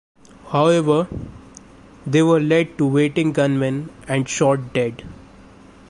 However, they were led to waiting gunmen and shot dead.